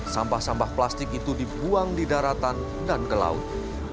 sampah sampah plastik itu dibuang di daratan dan ke laut